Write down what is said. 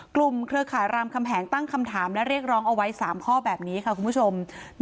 เครือข่ายรามคำแหงตั้งคำถามและเรียกร้องเอาไว้๓ข้อแบบนี้ค่ะคุณผู้ชม